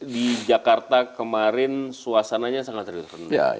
di jakarta kemarin suasananya sangat tertutup